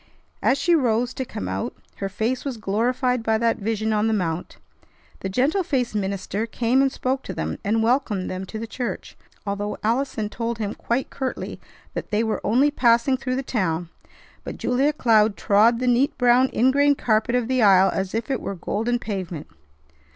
As she rose to come out, her face was glorified by that vision on the mount. The gentle faced minister came and spoke to them, and welcomed them to the church, although Allison told him quite curtly that they were only passing through the town; but Julia Cloud trod the neat brown ingrain carpet of the aisle as if it were golden pavement.